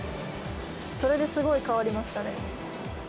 それですごい変わりましたね。